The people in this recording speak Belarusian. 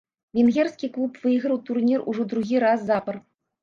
Венгерскі клуб выйграў турнір ужо другі раз запар.